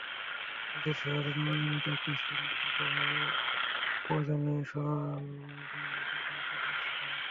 নিজের শহরে নবনির্মিত একটি স্কুল আর্থিক অভাবে প্রয়োজনীয় সরঞ্জামাদি কিনতে পারছিল না।